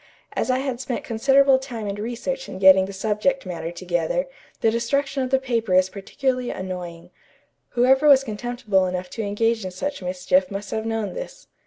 As I had spent considerable time and research in getting the subject matter together, the destruction of the paper is particularly annoying. Whoever was contemptible enough to engage in such mischief must have known this.